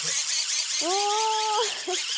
お！